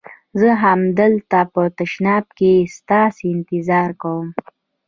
زه همدلته په تشناب کې ستاسي انتظار کوم.